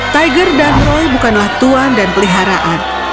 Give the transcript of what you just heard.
tiger dan roy bukanlah tuan dan peliharaan